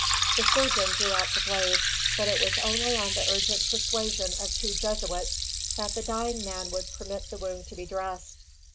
The surgeon drew out the blade, but it was only on the urgent persuasion of two Jesuits that the dying man would permit the wound to be dressed.